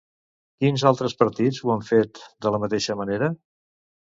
Quins altres partits ho han fet de la mateixa manera?